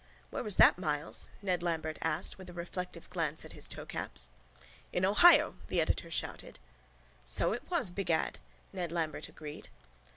—Where was that, Myles? Ned Lambert asked with a reflective glance at his toecaps. —In Ohio! the editor shouted. —So it was, begad, Ned Lambert agreed.